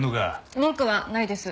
文句はないです。